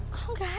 kau gak ada ya